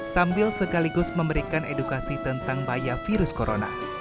sambil sekaligus memberikan edukasi tentang bahaya virus corona